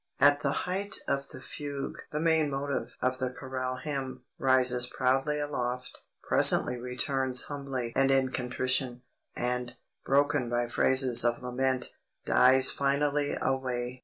At the height of the fugue the main motive (of the choral hymn) rises proudly aloft, presently returns humbly and in contrition, and, broken by phrases of lament, dies finally away.